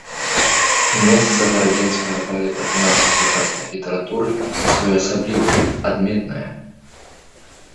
Месца гарадзенскага паэта ў нашай сучаснай літаратуры своеасаблівае, адметнае.